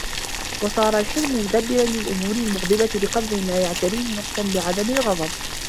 وَصَارَ الْحِلْمُ مُدَبِّرًا لِلْأُمُورِ الْمُغْضِبَةِ بِقَدْرٍ لَا يَعْتَرِيهِ نَقْصٌ بِعَدَمِ الْغَضَبِ